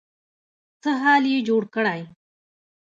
څه حال يې جوړ کړی.